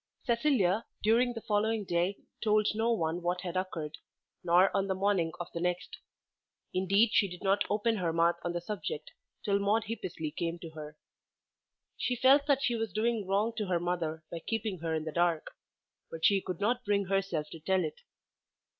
Cecilia during the following day told no one what had occurred, nor on the morning of the next. Indeed she did not open her mouth on the subject till Maude Hippesley came to her. She felt that she was doing wrong to her mother by keeping her in the dark, but she could not bring herself to tell it.